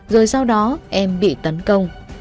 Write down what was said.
rồi sau đó em bị tấn công